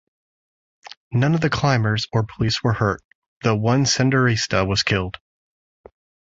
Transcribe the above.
None of the climbers or police were hurt, though one Senderista was killed.